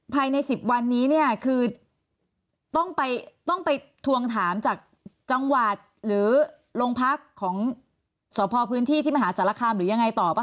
ภายใน๑๐วันนี้คือต้องไปทวงถามจากจังหวัดหรือโรงพักษ์ของสภพพื้นที่ที่มหาศาลคามหรือยังไงต่อป่ะคะ